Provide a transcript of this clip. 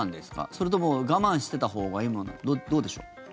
それとも我慢していたほうがいいものどうでしょう。